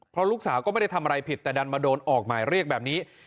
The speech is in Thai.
เพราะลูกสาวก็ไม่ได้ทำอะไรผิดแต่ดันมาโดนออกหมายเรียกแบบนี้